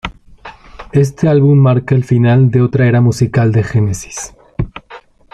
Este álbum marca el final de otra era musical de Genesis.